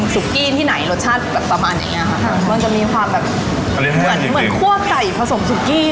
กี้ที่ไหนรสชาติแบบประมาณอย่างเงี้ยค่ะมันจะมีความแบบเหมือนเหมือนคั่วไก่ผสมซุกี้